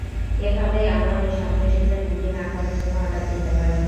এভাবেই আমরা ওই সন্ত্রাসীদের গুলি না করার জন্য অর্ডার দিতে পারি।